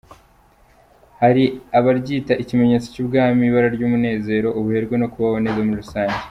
Hari abaryita ikimenyetso cy’ubwami, ibara ry’umunezero, ubuherwe no kubaho neza muri rusange.